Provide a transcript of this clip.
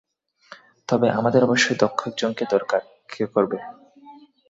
তবে আমাদের অবশ্যই দক্ষ একজনকে দরকার কে করবে?